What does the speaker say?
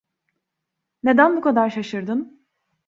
Neden bu kadar şaşırdın?